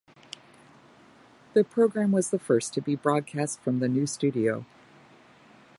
The programme was the first to be broadcast from the new studio.